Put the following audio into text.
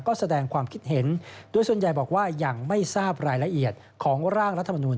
ก็แสดงความคิดเห็นโดยส่วนใหญ่บอกว่ายังไม่ทราบรายละเอียดของร่างรัฐมนุน